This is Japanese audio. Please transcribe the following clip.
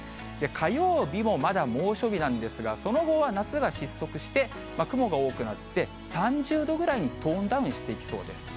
火曜日もまだ猛暑日なんですが、その後は夏が失速して、雲が多くなって、３０度ぐらいにトーンダウンしていきそうです。